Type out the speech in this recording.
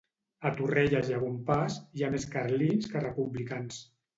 A Torrelles i a Bompàs, hi ha més carlins que republicans.